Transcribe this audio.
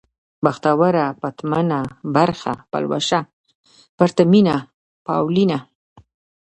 بختوره ، پتمنه ، پرخه ، پلوشه ، پرتمينه ، پاولينه